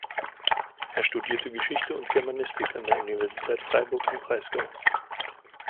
Er studierte Geschichte und Germanistik an der Universität Freiburg im Breisgau.